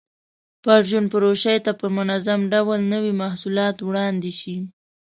پرچون فروشۍ ته په منظم ډول نوي محصولات وړاندې شي.